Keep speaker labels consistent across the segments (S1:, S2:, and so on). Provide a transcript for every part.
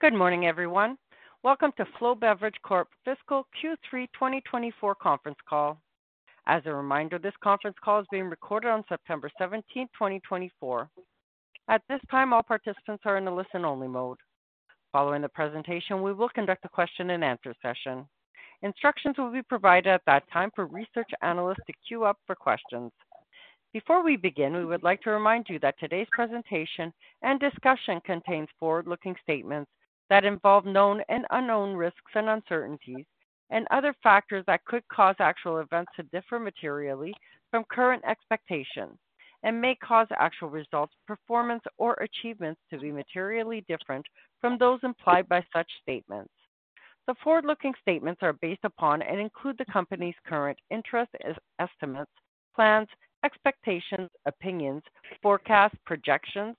S1: Good morning, everyone. Welcome to Flow Beverage Corp fiscal Q3 2024 conference call. As a reminder, this conference call is being recorded on September seventeenth, twenty twenty-four. At this time, all participants are in a listen-only mode. Following the presentation, we will conduct a question-and-answer session. Instructions will be provided at that time for research analysts to queue up for questions. Before we begin, we would like to remind you that today's presentation and discussion contains forward-looking statements that involve known and unknown risks and uncertainties, and other factors that could cause actual events to differ materially from current expectations and may cause actual results, performance, or achievements to be materially different from those implied by such statements. The forward-looking statements are based upon and include the company's current estimates, plans, expectations, opinions, forecasts, projections,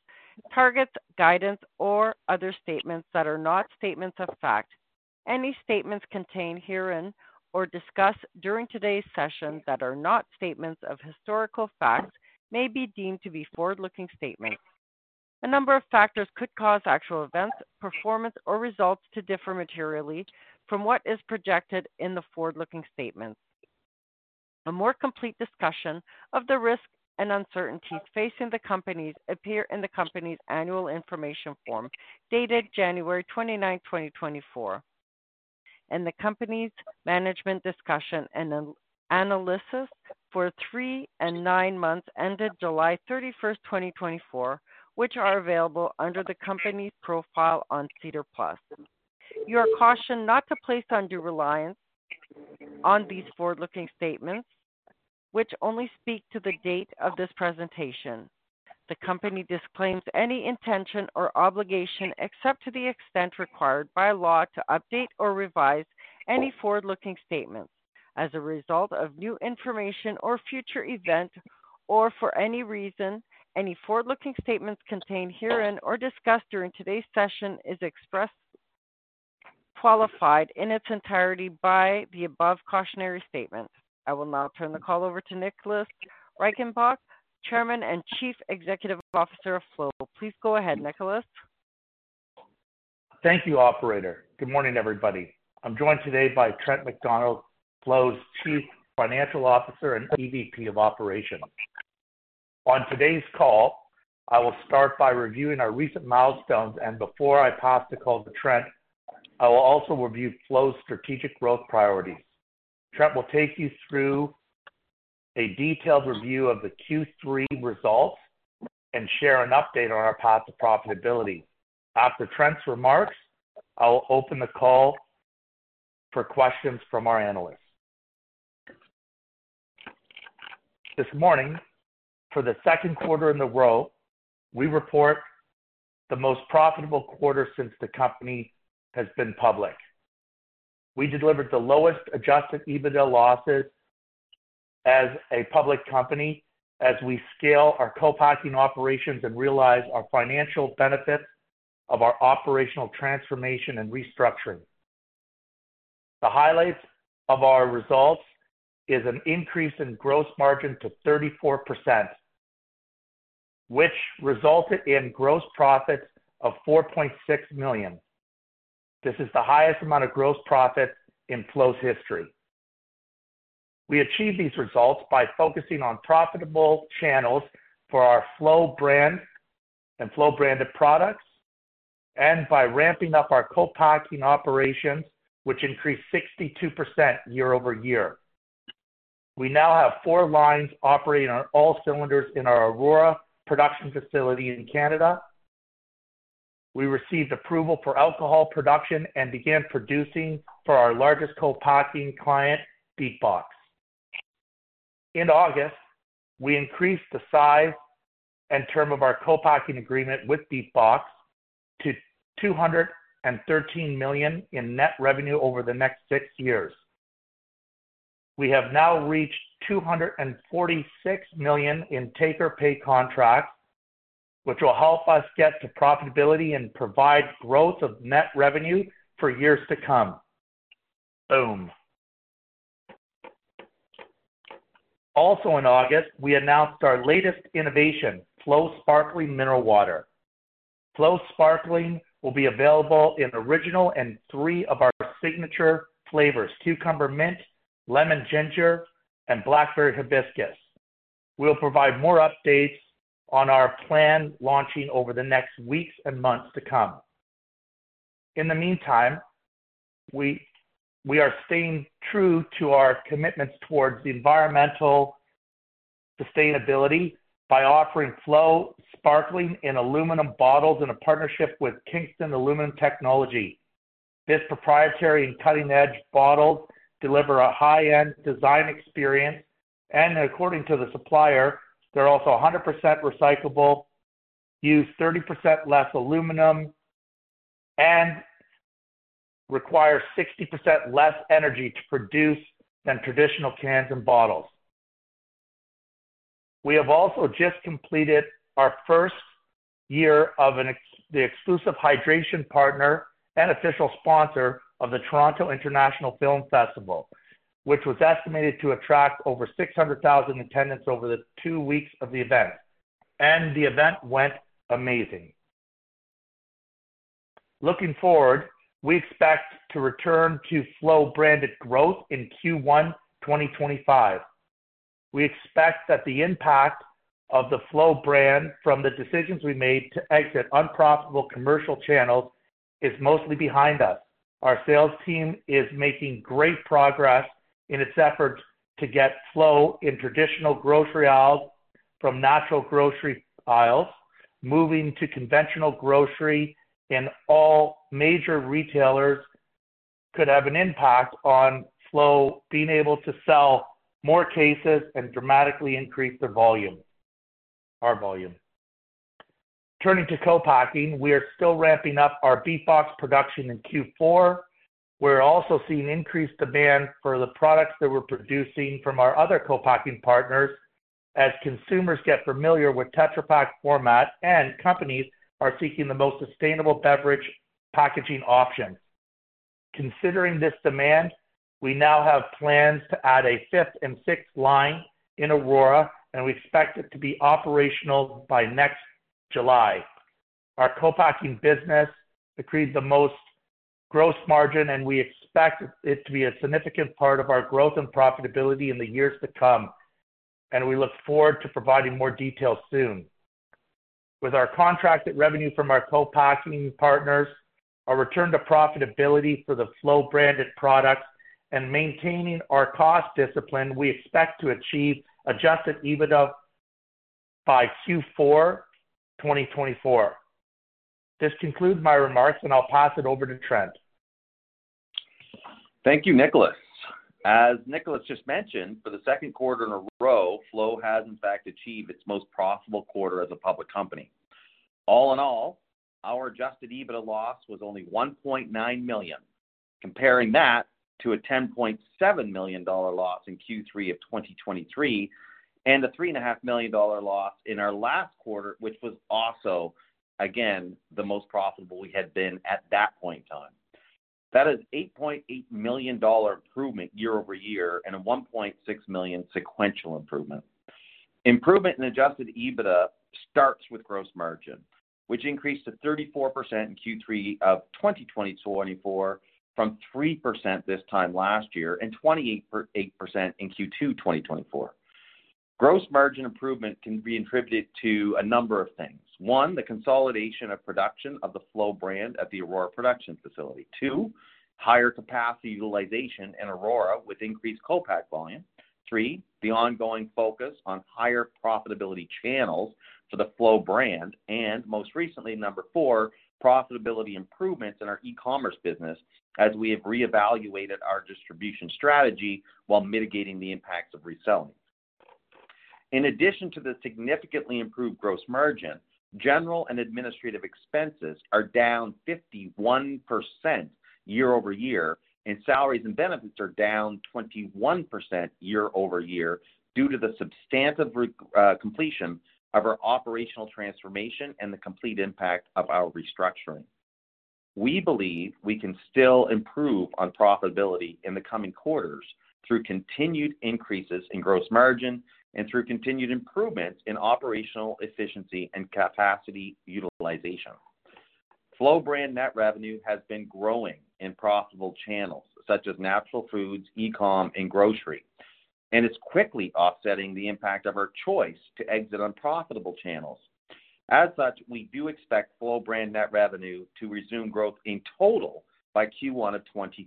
S1: targets, guidance, or other statements that are not statements of fact. Any statements contained herein or discussed during today's session that are not statements of historical facts may be deemed to be forward-looking statements. A number of factors could cause actual events, performance, or results to differ materially from what is projected in the forward-looking statements. A more complete discussion of the risks and uncertainties facing the company appear in the company's annual information form, dated January twenty-nine, 2024, and the company's management discussion and analysis for three and nine months, ended July thirty-first, 2024, which are available under the company's profile on SEDAR+. You are cautioned not to place undue reliance on these forward-looking statements, which only speak to the date of this presentation. The company disclaims any intention or obligation, except to the extent required by law, to update or revise any forward-looking statements as a result of new information or future events, or for any reason. Any forward-looking statements contained herein or discussed during today's session is expressed, qualified in its entirety by the above cautionary statement. I will now turn the call over to Nicholas Reichenbach, Chairman and Chief Executive Officer of Flow. Please go ahead, Nicholas.
S2: Thank you, operator. Good morning, everybody. I'm joined today by Trent MacDonald, Flow's Chief Financial Officer and EVP of Operations. On today's call, I will start by reviewing our recent milestones, and before I pass the call to Trent, I will also review Flow's strategic growth priorities. Trent will take you through a detailed review of the Q3 results and share an update on our path to profitability. After Trent's remarks, I'll open the call for questions from our analysts. This morning, for the second quarter in a row, we report the most profitable quarter since the company has been public. We delivered the lowest Adjusted EBITDA losses as a public company as we scale our co-packing operations and realize our financial benefits of our operational transformation and restructuring. The highlights of our results is an increase in gross margin to 34%, which resulted in gross profits of 4.6 million. This is the highest amount of gross profit in Flow's history. We achieved these results by focusing on profitable channels for our Flow brand and Flow branded products, and by ramping up our co-packing operations, which increased 62% year over year. We now have four lines operating on all cylinders in our Aurora production facility in Canada. We received approval for alcohol production and began producing for our largest co-packing client, BeatBox. In August, we increased the size and term of our co-packing agreement with BeatBox to 213 million in net revenue over the next six years. We have now reached 246 million in take-or-pay contracts, which will help us get to profitability and provide growth of net revenue for years to come. Boom! Also in August, we announced our latest innovation, Flow Sparkling Mineral Water. Flow Sparkling will be available in Original and three of our signature flavors: Cucumber Mint, Lemon Ginger, and Blackberry Hibiscus. We'll provide more updates on our plan launching over the next weeks and months to come. In the meantime, we are staying true to our commitments towards environmental sustainability by offering Flow Sparkling in aluminum bottles in a partnership with Kingston Aluminum Technology. This proprietary and cutting-edge bottles deliver a high-end design experience, and according to the supplier, they're also 100% recyclable, use 30% less aluminum, and require 60% less energy to produce than traditional cans and bottles. We have also just completed our first year as the exclusive hydration partner and official sponsor of the Toronto International Film Festival, which was estimated to attract over 600,000 attendees over the two weeks of the event, and the event went amazing. Looking forward, we expect to return to Flow branded growth in Q1 2025. We expect that the impact of the Flow brand from the decisions we made to exit unprofitable commercial channels is mostly behind us. Our sales team is making great progress in its efforts to get Flow in traditional grocery aisles from natural grocery aisles. Moving to conventional grocery in all major retailers could have an impact on Flow being able to sell more cases and dramatically increase our volume. Turning to co-packing, we are still ramping up our BeatBox production in Q4. We're also seeing increased demand for the products that we're producing from our other co-packing partners, as consumers get familiar with Tetra Pak format and companies are seeking the most sustainable beverage packaging options. Considering this demand, we now have plans to add a fifth and sixth line in Aurora, and we expect it to be operational by next July. Our co-packing business accretes the most gross margin, and we expect it to be a significant part of our growth and profitability in the years to come, and we look forward to providing more details soon. With our contracted revenue from our co-packing partners, our return to profitability for the Flow branded products, and maintaining our cost discipline, we expect to achieve adjusted EBITDA by Q4 2024. This concludes my remarks, and I'll pass it over to Trent.
S3: Thank you, Nicholas. As Nicholas just mentioned, for the second quarter in a row, Flow has in fact achieved its most profitable quarter as a public company. All in all, our Adjusted EBITDA loss was only 1.9 million, comparing that to a 10.7 million dollar loss in Q3 of 2023, and a 3.5 million dollar loss in our last quarter, which was also, again, the most profitable we had been at that point in time. That is 8.8 million dollar improvement year over year and a 1.6 million sequential improvement. Improvement in Adjusted EBITDA starts with gross margin, which increased to 34% in Q3 of 2024, from 3% this time last year and 28.8% in Q2 2024. Gross margin improvement can be attributed to a number of things. One, the consolidation of production of the Flow brand at the Aurora production facility. Two, higher capacity utilization in Aurora with increased co-pack volume. Three, the ongoing focus on higher profitability channels for the Flow brand, and most recently, number four, profitability improvements in our e-commerce business as we have reevaluated our distribution strategy while mitigating the impacts of reselling. In addition to the significantly improved gross margin, general and administrative expenses are down 51% year over year, and salaries and benefits are down 21% year over year, due to the substantive completion of our operational transformation and the complete impact of our restructuring. We believe we can still improve on profitability in the coming quarters through continued increases in gross margin and through continued improvements in operational efficiency and capacity utilization. Flow brand net revenue has been growing in profitable channels such as natural foods, e-com, and grocery, and it's quickly offsetting the impact of our choice to exit unprofitable channels. As such, we do expect Flow brand net revenue to resume growth in total by Q1 of twenty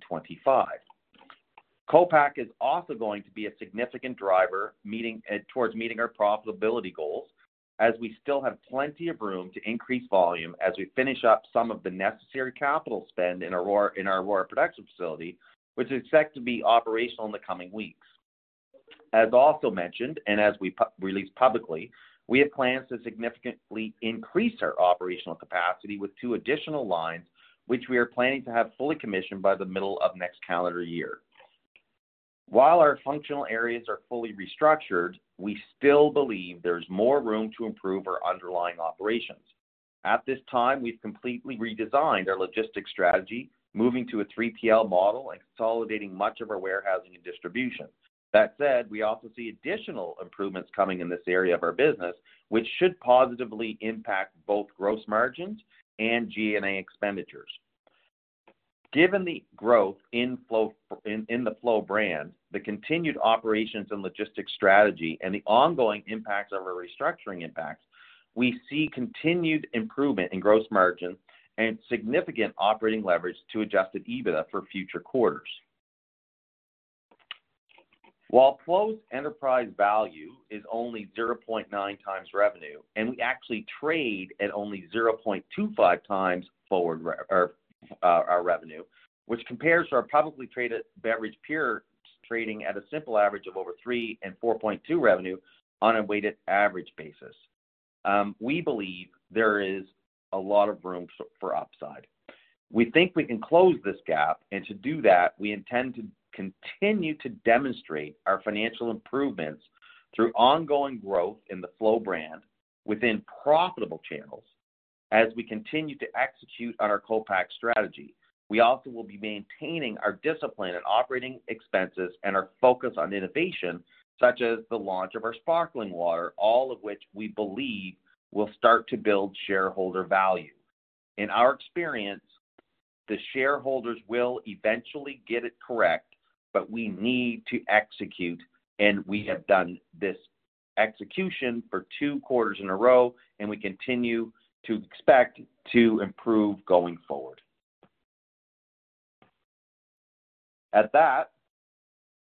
S3: twenty-five. Co-pack is also going to be a significant driver moving towards meeting our profitability goals, as we still have plenty of room to increase volume as we finish up some of the necessary capital spend in Aurora, in our Aurora production facility, which is set to be operational in the coming weeks. As also mentioned, and as we released publicly, we have plans to significantly increase our operational capacity with two additional lines, which we are planning to have fully commissioned by the middle of next calendar year. While our functional areas are fully restructured, we still believe there's more room to improve our underlying operations. At this time, we've completely redesigned our logistics strategy, moving to a 3PL model and consolidating much of our warehousing and distribution. That said, we also see additional improvements coming in this area of our business, which should positively impact both gross margins and G&A expenditures. Given the growth in the Flow brand, the continued operations and logistics strategy, and the ongoing impacts of our restructuring impacts, we see continued improvement in gross margin and significant operating leverage to Adjusted EBITDA for future quarters. While Flow's enterprise value is only 0.9x revenue, and we actually trade at only 0.25x forward revenue, which compares to our publicly traded beverage peers trading at a simple average of over 3 and 4.2 revenue on a weighted average basis. We believe there is a lot of room for upside. We think we can close this gap, and to do that, we intend to continue to demonstrate our financial improvements through ongoing growth in the Flow brand within profitable channels. ...As we continue to execute on our co-pack strategy, we also will be maintaining our discipline and operating expenses and our focus on innovation, such as the launch of our sparkling water, all of which we believe will start to build shareholder value. In our experience, the shareholders will eventually get it correct, but we need to execute, and we have done this execution for two quarters in a row, and we continue to expect to improve going forward. At that,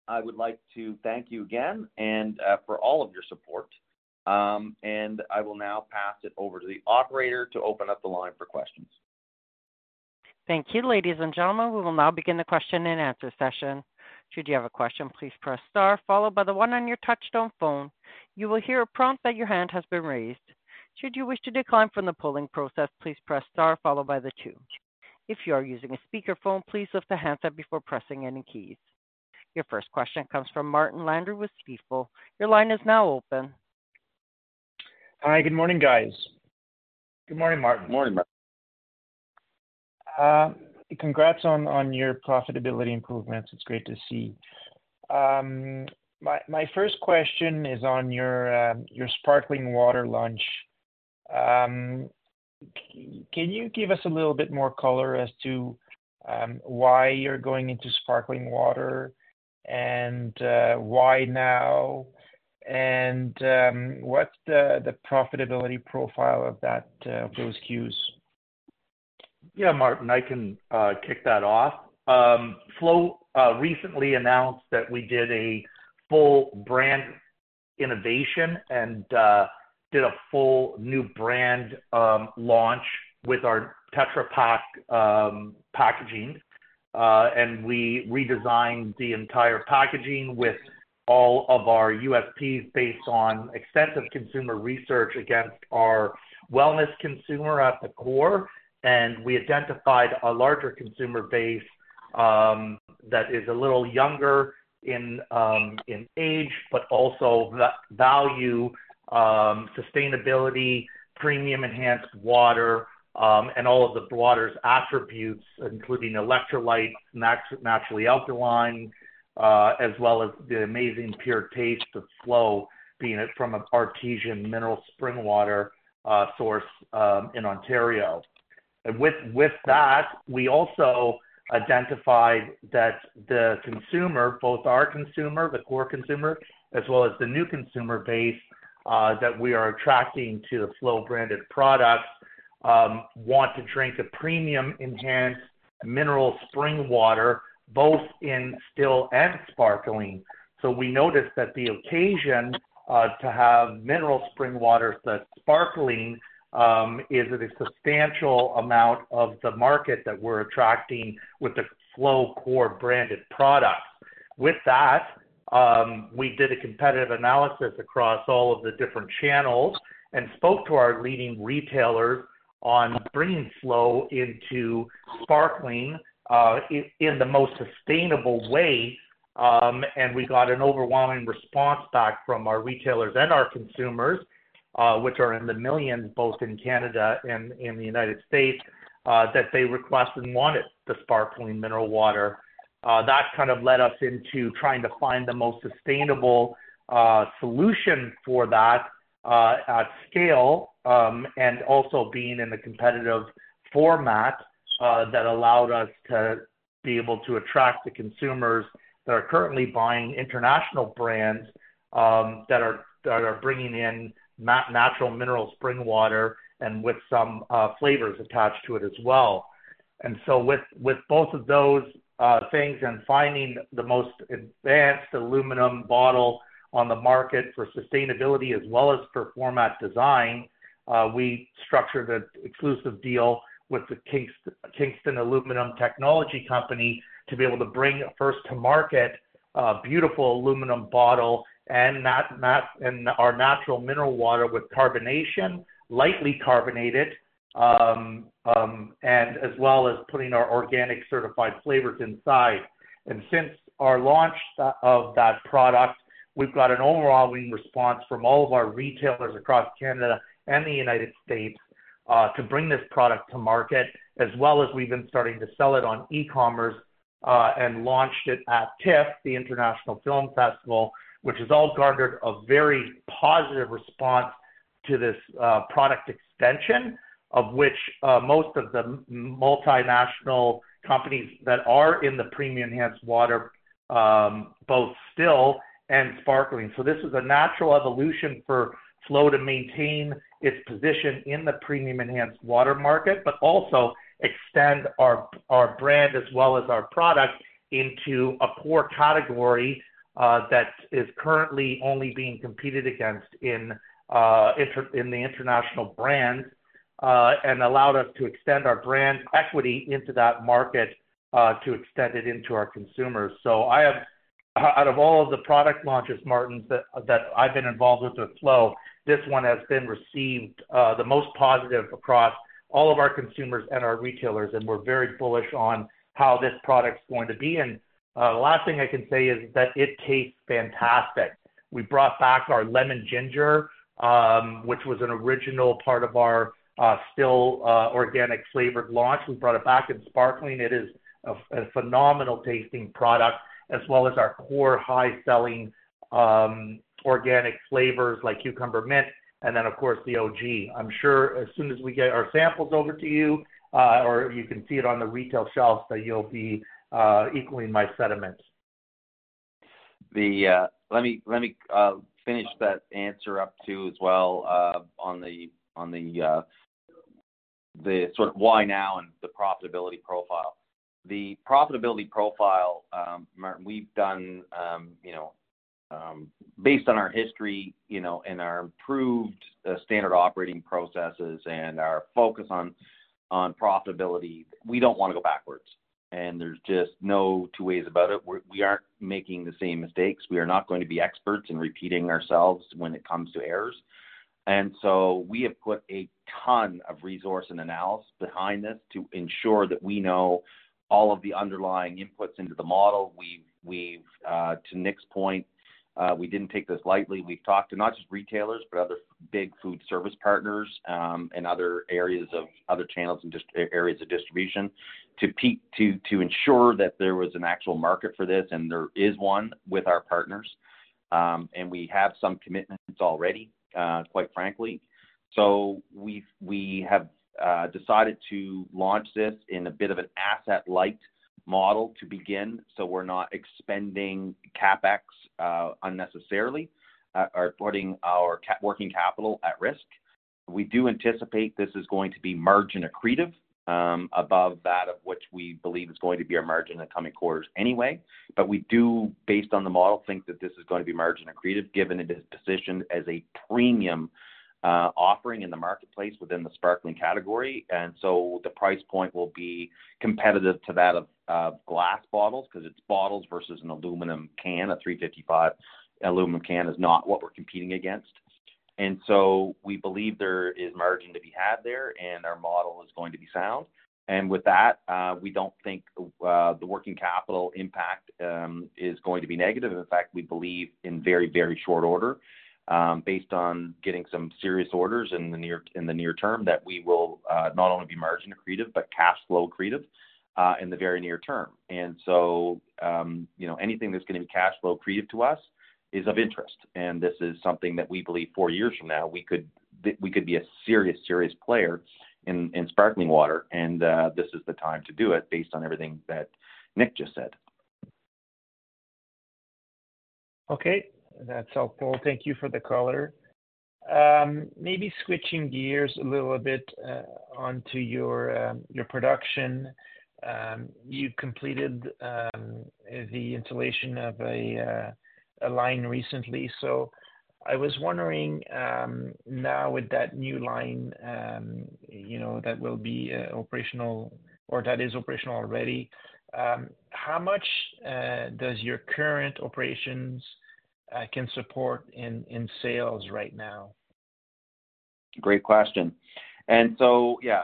S3: I would like to thank you again, and for all of your support, and I will now pass it over to the operator to open up the line for questions.
S1: Thank you. Ladies and gentlemen, we will now begin the question and answer session. Should you have a question, please press star followed by the one on your touchtone phone. You will hear a prompt that your hand has been raised. Should you wish to decline from the polling process, please press star followed by the two. If you are using a speakerphone, please lift the handset before pressing any keys. Your first question comes from Martin Landry with Stifel. Your line is now open.
S4: Hi, good morning, guys.
S2: Good morning, Martin.
S3: Morning, Martin.
S4: Congrats on your profitability improvements. It's great to see. My first question is on your sparkling water launch. Can you give us a little bit more color as to why you're going into sparkling water, and why now? And what's the profitability profile of those SKUs?
S2: Yeah, Martin, I can kick that off. Flow recently announced that we did a full brand innovation and did a full new brand launch with our Tetra Pak packaging, and we redesigned the entire packaging with all of our USPs based on extensive consumer research against our wellness consumer at the core, and we identified a larger consumer base that is a little younger in age, but also the value sustainability, premium enhanced water and all of the water's attributes, including electrolytes, naturally alkaline as well as the amazing pure taste of Flow, being it from an artesian mineral spring water source in Ontario. And with that, we also identified that the consumer, both our consumer, the core consumer, as well as the new consumer base that we are attracting to the Flow branded products, want to drink a premium enhanced mineral spring water, both in still and sparkling. So we noticed that the occasion to have mineral spring water that's sparkling is a substantial amount of the market that we're attracting with the Flow core branded product. With that, we did a competitive analysis across all of the different channels and spoke to our leading retailers on bringing Flow into sparkling in the most sustainable way, and we got an overwhelming response back from our retailers and our consumers, which are in the millions, both in Canada and in the United States, that they requested and wanted the sparkling mineral water. That kind of led us into trying to find the most sustainable solution for that at scale and also being in a competitive format that allowed us to be able to attract the consumers that are currently buying international brands that are bringing in natural mineral spring water and with some flavors attached to it as well. And so with both of those things and finding the most advanced aluminum bottle on the market for sustainability as well as for format design, we structured an exclusive deal with the Kingston Aluminum Technology Company to be able to bring first to market a beautiful aluminum bottle and our natural mineral water with carbonation, lightly carbonated, and as well as putting our organic certified flavors inside. And since our launch of that product, we've got an overwhelming response from all of our retailers across Canada and the United States to bring this product to market, as well as we've been starting to sell it on e-commerce and launched it at TIFF, the International Film Festival, which has all garnered a very positive response to this product extension, of which most of the multinational companies that are in the premium enhanced water, both still and sparkling. This is a natural evolution for Flow to maintain its position in the premium enhanced water market, but also extend our brand as well as our product into a poor category that is currently only being competed against in the international brands and allowed us to extend our brand equity into that market to extend it into our consumers. Out of all of the product launches, Martin, that I've been involved with at Flow, this one has been received the most positive across all of our consumers and our retailers, and we're very bullish on how this product's going to be. The last thing I can say is that it tastes fantastic. We brought back our Lemon Ginger, which was an original part of our still organic flavored launch. We brought it back in sparkling. It is a phenomenal tasting product, as well as our core, high-selling, organic flavors like Cucumber Mint, and then, of course, the OG. I'm sure as soon as we get our samples over to you, or you can see it on the retail shelves, that you'll be equaling my sentiments.
S3: Let me finish that answer up, too, as well, on the sort of why now and the profitability profile. The profitability profile, Martin, we've done, you know, based on our history, you know, and our improved standard operating processes and our focus on profitability, we don't wanna go backwards, and there's just no two ways about it. We aren't making the same mistakes. We are not going to be experts in repeating ourselves when it comes to errors. And so we have put a ton of resource and analysis behind this to ensure that we know all of the underlying inputs into the model. We've to Nick's point, we didn't take this lightly. We've talked to not just retailers, but other big food service partners, and other areas of other channels and areas of distribution, to ensure that there was an actual market for this, and there is one with our partners and we have some commitments already, quite frankly. So we have decided to launch this in a bit of an asset-light model to begin, so we're not expending CapEx unnecessarily, or putting our working capital at risk. We do anticipate this is going to be margin accretive, above that of which we believe is going to be our margin in the coming quarters anyway. But we do, based on the model, think that this is going to be margin accretive, given it is positioned as a premium offering in the marketplace within the sparkling category. And so the price point will be competitive to that of glass bottles, 'cause it's bottles versus an aluminum can. A 355 aluminum can is not what we're competing against. And so we believe there is margin to be had there, and our model is going to be sound. And with that, we don't think the working capital impact is going to be negative. In fact, we believe in very, very short order, based on getting some serious orders in the near term, that we will not only be margin accretive, but cash flow accretive, in the very near term. So, you know, anything that's gonna be cash flow accretive to us is of interest, and this is something that we believe four years from now, we could be a serious player in sparkling water, and this is the time to do it based on everything that Nick just said.
S4: Okay. That's helpful. Thank you for the color. Maybe switching gears a little bit, onto your production. You completed the installation of a line recently, so I was wondering, now with that new line, you know, that will be operational or that is operational already, how much does your current operations can support in sales right now?
S3: Great question. And so, yeah,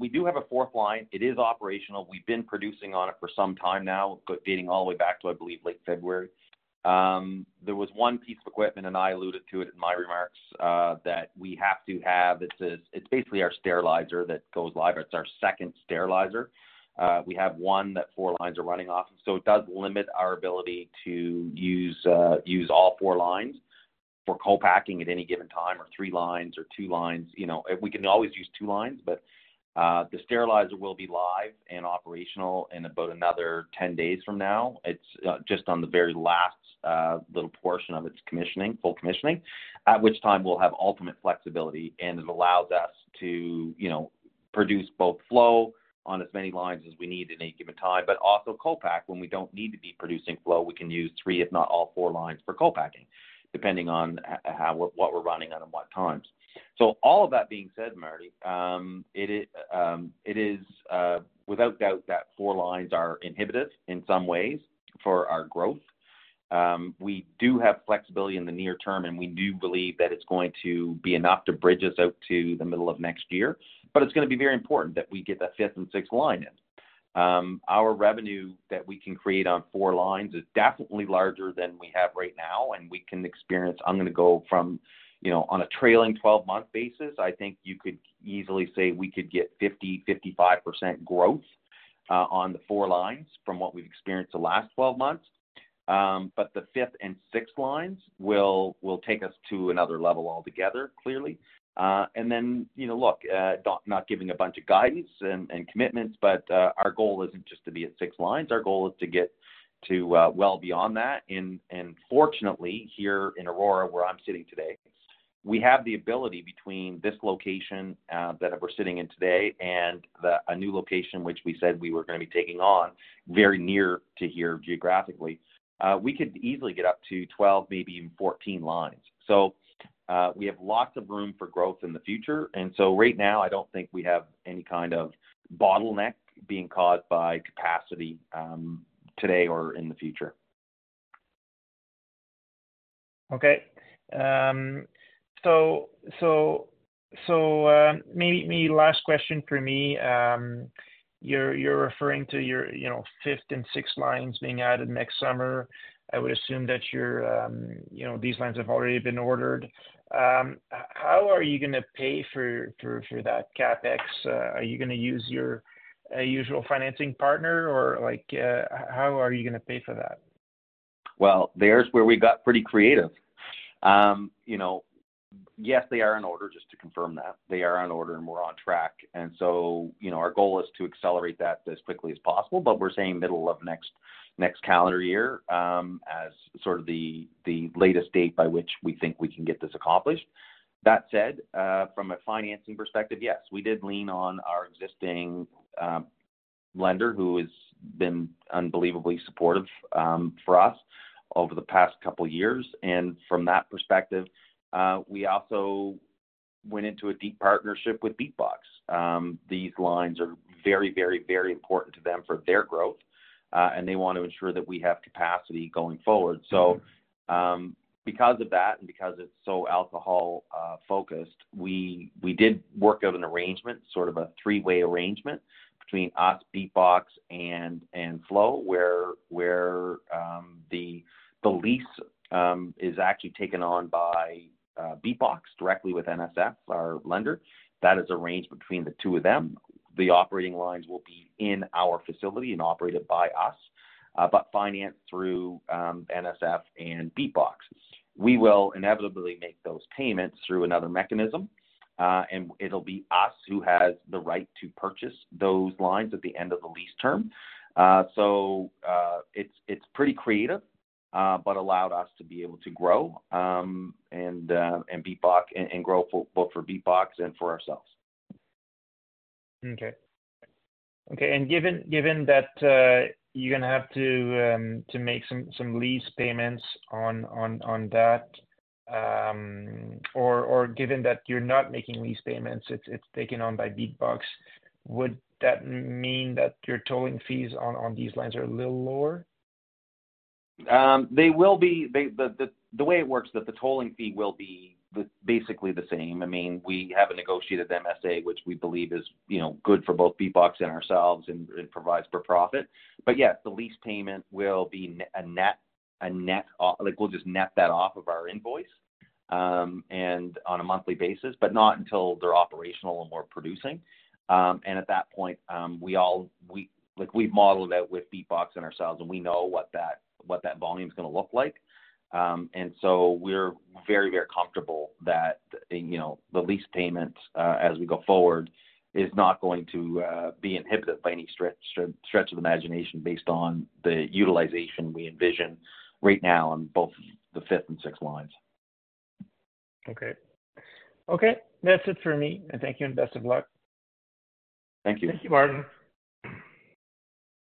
S3: We do have a fourth line. It is operational. We've been producing on it for some time now, but dating all the way back to, I believe, late February. There was one piece of equipment, and I alluded to it in my remarks, that we have to have. It's, it's basically our sterilizer that goes live. It's our second sterilizer. We have one that four lines are running off, and so it does limit our ability to use all four lines for co-packing at any given time, or three lines or two lines, you know. We can always use two lines, but the sterilizer will be live and operational in about another 10 days from now. It's just on the very last little portion of its commissioning, full commissioning, at which time we'll have ultimate flexibility, and it allows us to, you know, produce both Flow on as many lines as we need at any given time, but also co-pack. When we don't need to be producing Flow, we can use three, if not all four lines for co-packing, depending on how, what we're running on and what times. So all of that being said, Martin, it is without doubt that four lines are inhibitive in some ways for our growth. We do have flexibility in the near term, and we do believe that it's going to be enough to bridge us out to the middle of next year, but it's gonna be very important that we get that fifth and sixth line in. Our revenue that we can create on four lines is definitely larger than we have right now, and we can experience. I'm gonna go from, you know, on a trailing twelve-month basis, I think you could easily say we could get 50%-55% growth on the four lines from what we've experienced the last twelve months. But the fifth and sixth lines will take us to another level altogether, clearly. And then, you know, look, not giving a bunch of guidance and commitments, but our goal isn't just to be at six lines. Our goal is to get to well beyond that. Fortunately, here in Aurora, where I'm sitting today, we have the ability between this location that we're sitting in today and a new location, which we said we were gonna be taking on very near to here geographically. We could easily get up to 12, maybe even 14 lines. So, we have lots of room for growth in the future, and so right now, I don't think we have any kind of bottleneck being caused by capacity today or in the future....
S4: Okay. So, maybe last question for me. You're referring to your, you know, fifth and sixth lines being added next summer. I would assume that your, you know, these lines have already been ordered. How are you gonna pay for that CapEx? Are you gonna use your usual financing partner, or like, how are you gonna pay for that?
S3: That's where we got pretty creative. You know, yes, they are in order just to confirm that. They are on order, and we're on track. So, you know, our goal is to accelerate that as quickly as possible, but we're saying middle of next calendar year, as sort of the latest date by which we think we can get this accomplished. That said, from a financing perspective, yes, we did lean on our existing lender, who has been unbelievably supportive for us over the past couple of years. And from that perspective, we also went into a deep partnership with BeatBox. These lines are very, very, very important to them for their growth, and they want to ensure that we have capacity going forward. So, because of that, and because it's so alcohol focused, we did work out an arrangement, sort of a three-way arrangement between us, BeatBox, and Flow, where the lease is actually taken on by BeatBox directly with NFS, our lender. That is arranged between the two of them. The operating lines will be in our facility and operated by us, but financed through NFS and BeatBox. We will inevitably make those payments through another mechanism, and it'll be us who has the right to purchase those lines at the end of the lease term. So, it's pretty creative, but allowed us to be able to grow, and BeatBox and grow for both for BeatBox and for ourselves.
S4: Okay. Okay, and given that, you're gonna have to make some lease payments on that, or given that you're not making lease payments, it's taken on by BeatBox, would that mean that your tolling fees on these lines are a little lower?
S3: They, the way it works, that the tolling fee will be basically the same. I mean, we have a negotiated MSA, which we believe is, you know, good for both BeatBox and ourselves, and it provides for profit. But yes, the lease payment will be a net off, like, we'll just net that off of our invoice, and on a monthly basis, but not until they're operational and we're producing. And at that point, we. Like, we've modeled it out with BeatBox and ourselves, and we know what that volume is gonna look like. And so we're very, very comfortable that, you know, the lease payment, as we go forward, is not going to be inhibited by any stretch of the imagination based on the utilization we envision right now on both the fifth and sixth lines.
S4: Okay. Okay, that's it for me, and thank you and best of luck.
S3: Thank you.
S2: Thank you, Martin.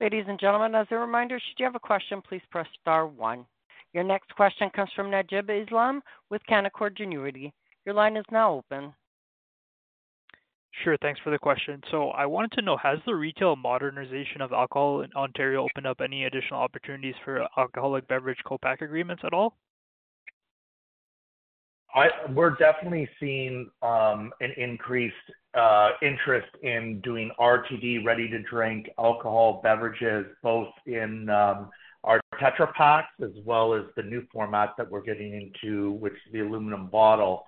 S1: Ladies and gentlemen, as a reminder, should you have a question, please press star one. Your next question comes from Najib Islam with Canaccord Genuity. Your line is now open.
S5: Sure. Thanks for the question. I wanted to know, has the retail modernization of alcohol in Ontario opened up any additional opportunities for alcoholic beverage co-packing agreements at all?
S3: We're definitely seeing an increased interest in doing RTD, ready-to-drink alcohol beverages, both in our Tetra Pak as well as the new format that we're getting into, which is the aluminum bottle,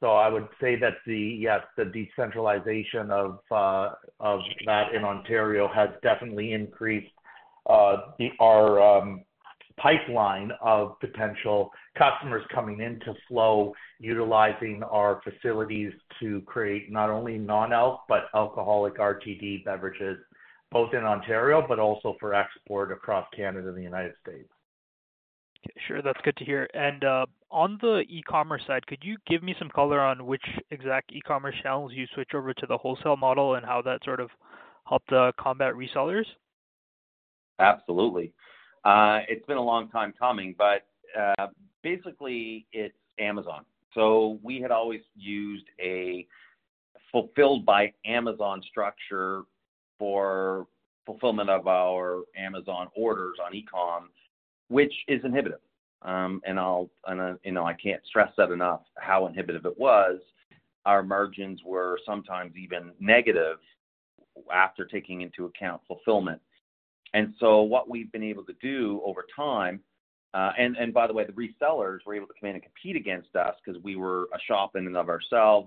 S3: so I would say that yes, the decentralization of that in Ontario has definitely increased our pipeline of potential customers coming in to Flow, utilizing our facilities to create not only non-alc, but alcoholic RTD beverages, both in Ontario but also for export across Canada and the United States.
S5: Sure. That's good to hear. And, on the e-commerce side, could you give me some color on which exact e-commerce channels you switched over to the wholesale model and how that sort of helped combat resellers?
S3: Absolutely. It's been a long time coming, but basically, it's Amazon, so we had always used a fulfilled by Amazon structure for fulfillment of our Amazon orders on e-com, which is inhibitive, and I'll, you know, I can't stress that enough, how inhibitive it was. Our margins were sometimes even negative after taking into account fulfillment. And so what we've been able to do over time, and by the way, the resellers were able to come in and compete against us because we were a shop in and of itself,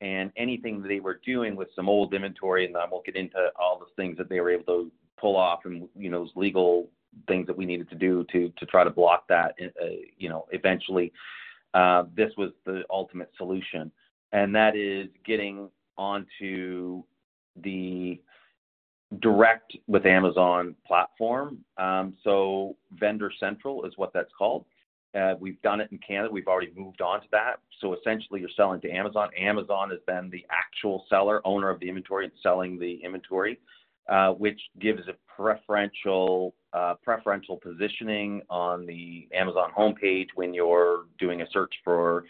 S3: and anything they were doing with some old inventory, and I won't get into all the things that they were able to pull off and, you know, those legal things that we needed to do to try to block that, you know, eventually, this was the ultimate solution, and that is getting onto the direct with Amazon platform. So Vendor Central is what that's called. We've done it in Canada. We've already moved on to that. So essentially, you're selling to Amazon. Amazon is then the actual seller, owner of the inventory, and selling the inventory, which gives a preferential preferential positioning on the Amazon homepage when you're doing a search for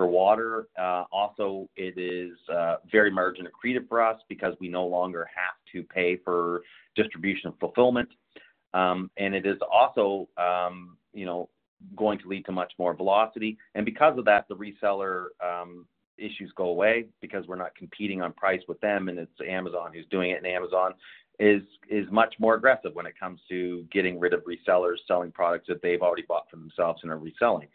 S3: water. Also, it is very margin accretive for us because we no longer have to pay for distribution fulfillment. It is also, you know, going to lead to much more velocity. Because of that, the reseller issues go away because we're not competing on price with them, and it's Amazon who's doing it. Amazon is much more aggressive when it comes to getting rid of resellers selling products that they've already bought for themselves and are reselling.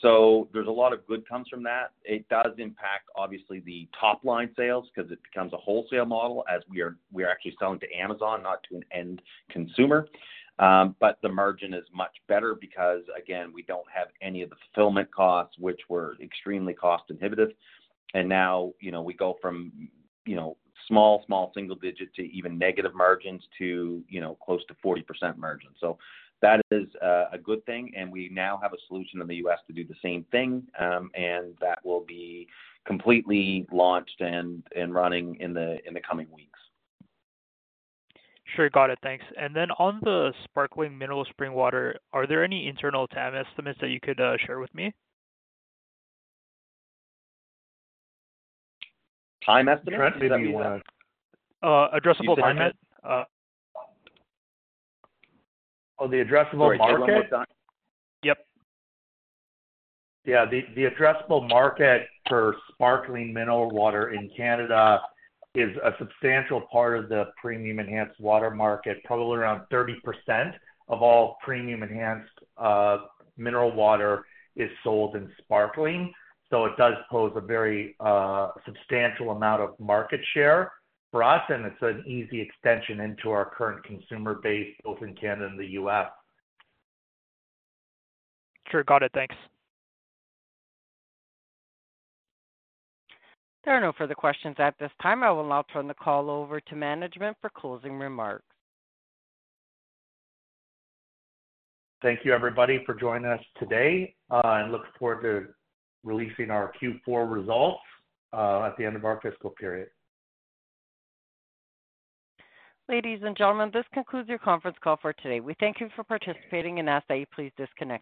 S3: So there's a lot of good comes from that. It does impact, obviously, the top-line sales because it becomes a wholesale model as we are actually selling to Amazon, not to an end consumer. But the margin is much better because, again, we don't have any of the fulfillment costs, which were extremely cost inhibitive, and now, you know, we go from, you know, small single digit to even negative margins to, you know, close to 40% margin. So that is a good thing, and we now have a solution in the U.S. to do the same thing, and that will be completely launched and running in the coming weeks.
S5: Sure. Got it. Thanks. And then on the sparkling mineral spring water, are there any internal TAM estimates that you could share with me?
S3: Time estimates? Maybe,
S5: Addressable TAM estimate.
S2: Oh, the addressable market?
S5: Yep.
S2: Yeah. The addressable market for sparkling mineral water in Canada is a substantial part of the premium enhanced water market. Probably around 30% of all premium enhanced mineral water is sold in sparkling, so it does pose a very substantial amount of market share for us, and it's an easy extension into our current consumer base, both in Canada and the U.S.
S5: Sure. Got it. Thanks.
S1: There are no further questions at this time. I will now turn the call over to management for closing remarks.
S2: Thank you, everybody, for joining us today, and look forward to releasing our Q4 results at the end of our fiscal period.
S1: Ladies and gentlemen, this concludes your conference call for today. We thank you for participating and ask that you please disconnect.